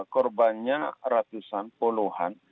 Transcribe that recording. korbannya ratusan puluhan